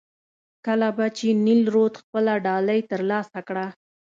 کله به چې نیل رود خپله ډالۍ ترلاسه کړه.